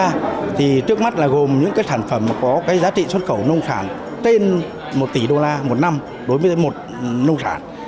thứ ba thì trước mắt là gồm những cái sản phẩm có cái giá trị xuất khẩu nông sản trên một tỷ đô la một năm đối với một nông sản